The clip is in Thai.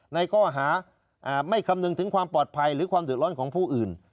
ในข้อหาไม่คำนึงถึงความปลอดภัยหรือความเดือดร้อนของผู้อื่น